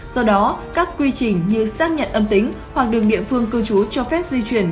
do đó các quy trình như xác nhận âm tính hoặc đường địa phương cư trú cho phép di chuyển